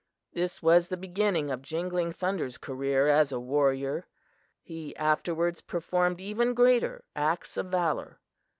"This was the beginning of Jingling Thunder's career as a warrior. He afterwards performed even greater acts of valor.